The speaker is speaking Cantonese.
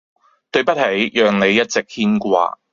對不起，讓你一直牽掛！